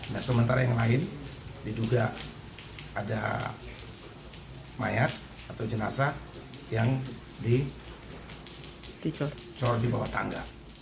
nah sementara yang lain diduga ada mayat atau jenazah yang dicor di bawah tangga